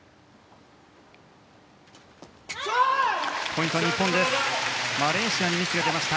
ポイントは日本です。